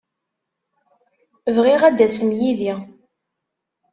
Bɣiɣ ad d-tasem yid-i.